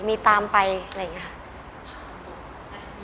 กระแสโดยการก็มีแต่ว่าแค่มีแข็งคำก็มีคนชื่อชอบ